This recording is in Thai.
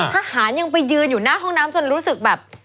ทหารยังไปยืนอยู่หน้าห้องน้ำจนรู้สึกแบบ